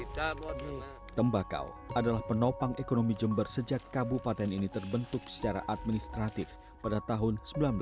tembakau adalah penopang ekonomi jember sejak kabupaten ini terbentuk secara administratif pada tahun seribu sembilan ratus sembilan puluh